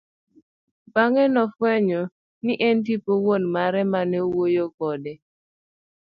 Bang'e nofwenyo ni en tipo wuon mare emane wuoyo kode.